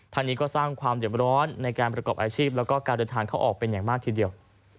ทางนี้ก็สร้างความเด็บร้อนในการประกอบอาชีพแล้วก็การเดินทางเข้าออกเป็นอย่างมากทีเดียว